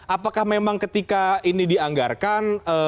apakah memang ketika ini dianggarkan